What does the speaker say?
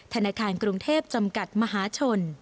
ธนาคารกรุงเทพจำกัดมหาชน